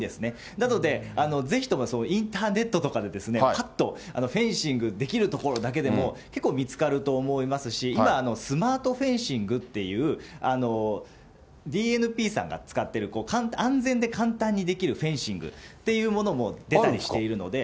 なので、ぜひともインターネットとかでですね、ぱっとフェンシングできる所だけでも結構見つかると思いますし、今、スマートフェンシングというＤＮＰさんが使ってる、安全で簡単にできるフェンシングというものも出たりしているので。